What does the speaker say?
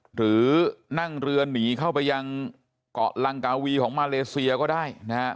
หรือนั่งเรือหนีเข้าไปยังเกาะลังกาวีของมาเลเซียก็ได้นะฮะ